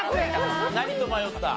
何と迷った？